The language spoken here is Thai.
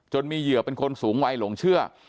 มีเหยื่อเป็นคนสูงวัยหลงเชื่อ